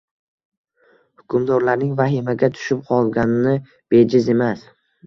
Hukmdorlarning vahimaga tushib qolgani bejiz emas